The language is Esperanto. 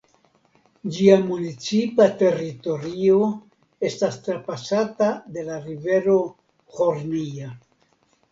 Ĝia municipa teritorio estas trapasata de la rivero Hornija.